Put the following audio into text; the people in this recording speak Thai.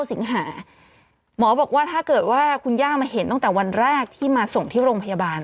สิงหาหมอบอกว่าถ้าเกิดว่าคุณย่ามาเห็นตั้งแต่วันแรกที่มาส่งที่โรงพยาบาล